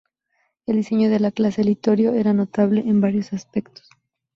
El diseño de la clase Littorio era notable en varios aspectos.